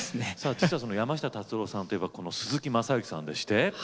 その山下達郎さんといえばこの鈴木雅之さんでして。